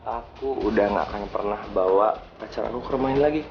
aku udah gak akan pernah bawa pacar aku ke rumah ini lagi